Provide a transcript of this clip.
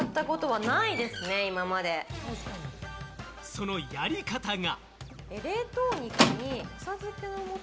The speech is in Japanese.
そのやり方が。